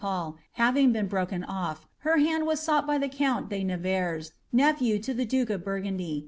Pol having been broken ol^ her hand was sought by the count de Nevers, nephew lo the duke of Birrgundy.